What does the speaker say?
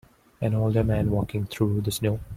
An older man walking through the snow.